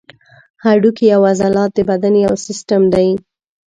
هډوکي او عضلات د بدن یو سیستم دی.